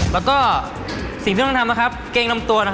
วิธีนะครับพิยัตรัสเนี่ย